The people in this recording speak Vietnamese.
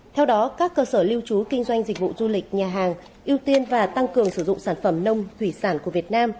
theo đó các cơ sở lưu trú kinh doanh dịch vụ du lịch nhà hàng ưu tiên và tăng cường sử dụng sản phẩm nông thủy sản của việt nam